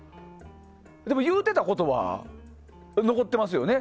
でも、言うてたことは残ってますよね。